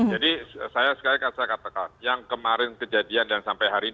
jadi saya katakan yang kemarin kejadian dan sampai hari ini